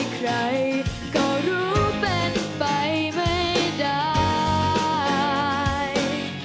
ใครก็รู้เป็นไปไม่ได้